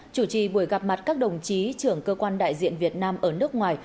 chủ trì buổi gặp mặt các đồng chí trưởng cơ quan đại diện việt nam ở nước ngoài